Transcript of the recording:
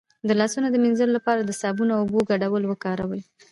د لاسونو د مینځلو لپاره د صابون او اوبو ګډول وکاروئ